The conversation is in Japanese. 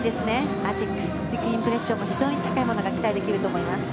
アーティスティックインプレッションも非常に高いものが期待できると思います。